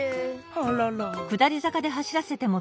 あらら。